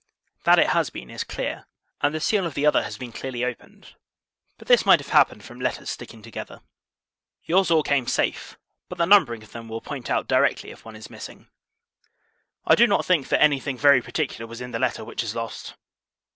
That it has been, is clear: and the seal of the other has been clearly opened; but this might have happened from letters sticking together. Your's all came safe; but the numbering of them will point out, directly, if one is missing. I do not think, that any thing very particular was in that letter which is lost.